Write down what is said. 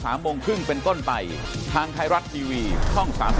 มันก็จะไปติดข้อ๔๑